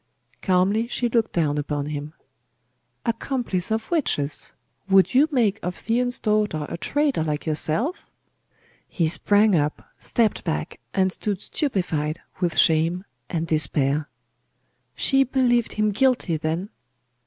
Calmly she looked down upon him. 'Accomplice of witches! Would you make of Theon's daughter a traitor like yourself?' He sprang up, stepped back, and stood stupefied with shame and despair.... She believed him guilty, then!....